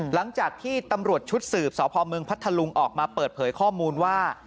หลังจากที่ตำรวจชุดสืบสพเมืองพัทธลุงออกมาเปิดเผยข้อมูลว่า